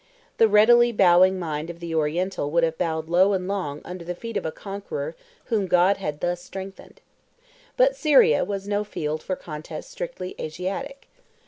The readily bowing mind of the Oriental would have bowed low and long under the feet of a conqueror whom God had thus strengthened. But Syria was no field for contests strictly Asiatic.